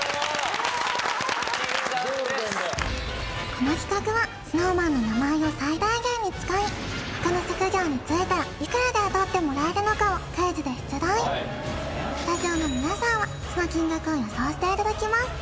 この企画はＳｎｏｗＭａｎの名前を最大限に使い他の職業に就いたらいくらで雇ってもらえるのかをクイズで出題スタジオのみなさんはその金額を予想していただきます